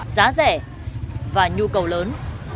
giá rẻ và nhu cầu lớn